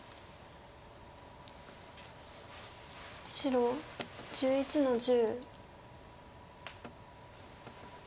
白１１の十。